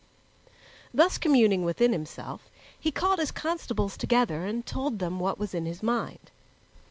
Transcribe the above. Thus communing within himself, he called his constables together and told them what was in his mind.